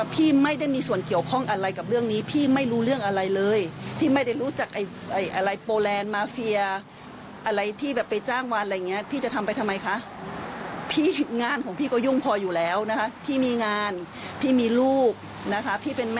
พี่ก็เหนื่อยพอแล้วค่ะขอความกลุ่มนานนะคะ